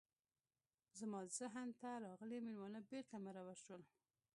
زما ذهن ته راغلي میلمانه بیرته مرور شول.